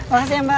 makasih ya mbak